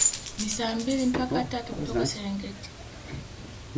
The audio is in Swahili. Ni saa mbili mpaka tatu kutoka Serengeti